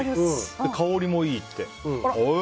香りもいいって。